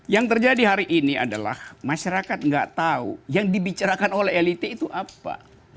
yang terjadi hari ini adalah masyarakat nggak tahu yang dibicarakan oleh elite itu apa